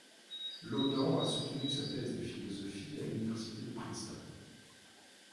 Laudan a soutenu sa thèse de Philosophie à l’Université de Princeton.